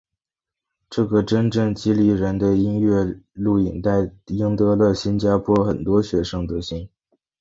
这个真正激励人的音乐录影带赢得了新加坡很多学生的心。